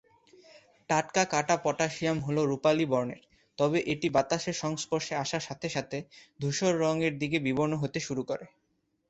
টাটকা কাটা পটাসিয়াম হলো রূপালী বর্ণের, তবে এটি বাতাসের সংস্পর্শে আসার সাথে সাথে ধূসর রঙের দিকে বিবর্ণ হতে শুরু করে।